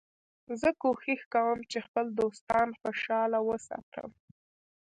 زه کوښښ کوم چي خپل دوستان خوشحاله وساتم.